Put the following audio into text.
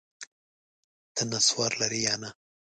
ته نسوار لرې یا نه؟